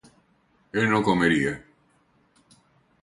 él no comería